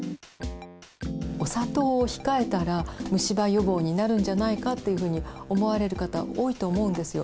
お砂糖を控えたら虫歯予防になるんじゃないかというふうに思われる方多いと思うんですよ。